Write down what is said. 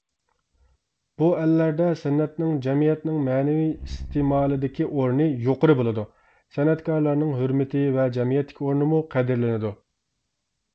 بۇ ئەللەردە سەنئەتنىڭ جەمئىيەتنىڭ مەنىۋى ئىستېمالىدىكى ئورنى يۇقىرى بولىدۇ، سەنئەتكارلارنىڭ ھۆرمىتى ۋە جەمئىيەتتىكى ئورنىمۇ قەدىرلىنىدۇ.